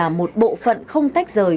và bản thân là một bộ phận không tách rời